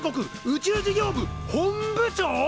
宇宙事業部本部長！？